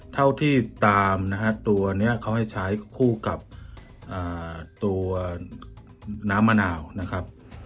เท่าที่ตามนะฮะตัวนี้เขาให้ใช้คู่กับตัวน้ำมะนาวนะครับ